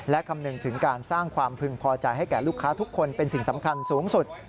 และคำนึงถึงการสร้างความพึงพอใจให้แก่ลูกค้าทุกคนเป็นสิ่งสำคัญสูงสุด